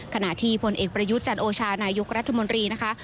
ขณะที่พลเอกประยุทธ์จันโอชานายกรัฐมนตรีนะคะ